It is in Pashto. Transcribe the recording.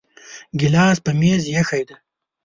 ګلاس په میز ایښی دی